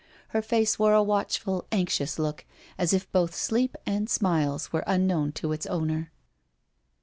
Her face wore a watchful, anxious look, as if both sleep and smiles were unknown to its owner.